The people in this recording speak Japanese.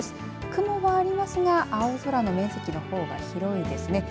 雲がありますが青空の面積のほうが広いですね。